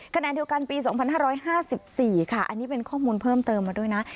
ขณะเดียวกันปี๒๕๕๔ค่ะอันนี้เป็นข้อมูลเพิ่มเติมมาด้วยนะ